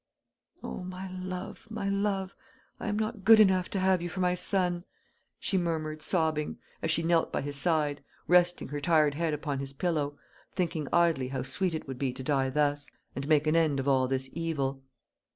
"O, my love, my love, I am not good enough to have you for my son!" she murmured, sobbing, as she knelt by his side, resting her tired head upon his pillow, thinking idly how sweet it would be to die thus, and make an end of all this evil.